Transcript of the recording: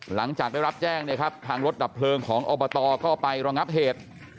หลังจากได้รับแจ้งเนี่ยครับทางรถดับเพลิงของอบตก็ไปรองับเหตุ